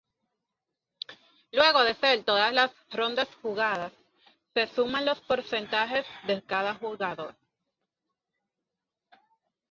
Luego de ser todas las rondas jugadas, se suman los puntajes de cada jugador.